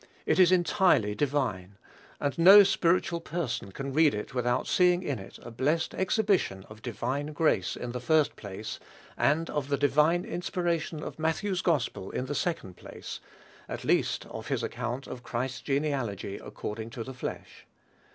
It is entirely divine: and no spiritual person can read it without seeing in it a blessed exhibition of divine grace in the first place, and of the divine inspiration of Matthew's gospel in the second place, at least of his account of Christ's genealogy according to the flesh.